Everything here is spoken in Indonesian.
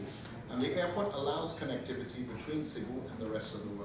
dan perabot ini memungkinkan konektivitas antara sebu dan seluruh dunia